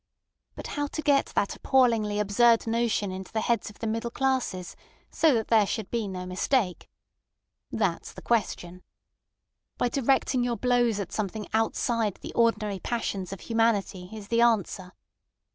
But how to get that appallingly absurd notion into the heads of the middle classes so that there should be no mistake? That's the question. By directing your blows at something outside the ordinary passions of humanity is the answer.